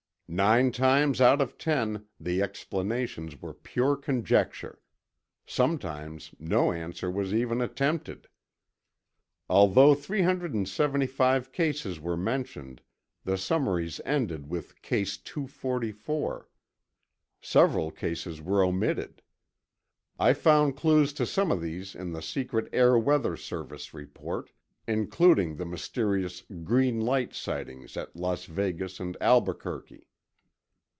Nine times out of ten, the explanations were pure conjecture. Sometimes no answer was even attempted. Although 375 cases were mentioned, the summaries ended with Case 244. Several cases were omitted. I found clues to some of these in the secret Air Weather Service report, including the mysterious "green light" sightings at Las Vegas and Albuquerque.